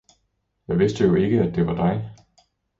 'Jeg vidste jo ikke, at det var dig!